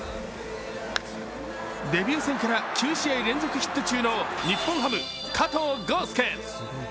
デビュー戦から９試合連続ヒット中の日本ハム・加藤豪将。